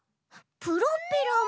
プロペラも。